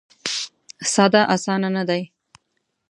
ساده اسانه نه دی.